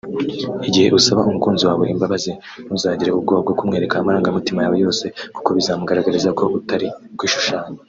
Igihe usaba umukunzi wawe imbabazi ntuzagire ubwoba bwo kumwereka amarangamutima yawe yose kuko bizamugaragariza ko utari kwishushanya